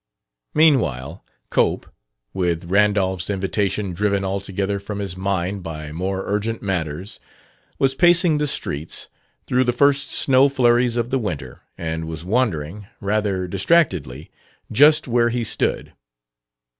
Meanwhile Cope, with Randolph's invitation driven altogether from his mind by more urgent matters, was pacing the streets, through the first snow flurries of the winter, and was wondering, rather distractedly, just where he stood.